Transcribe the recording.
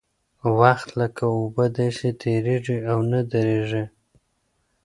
وخت لکه اوبه داسې تېرېږي او نه درېږي.